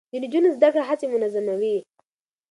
د نجونو زده کړه هڅې منظموي.